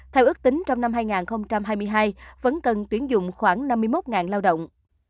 theo ước tính trong năm hai nghìn hai mươi hai vẫn cần tuyển dụng khoảng năm mươi một lao động